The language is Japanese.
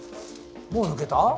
もう抜けた？